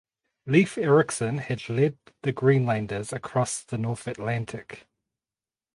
Leif Erikson has led Greenlanders across the North Atlantic.